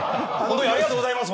ありがとうございます